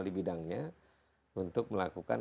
di bidangnya untuk melakukan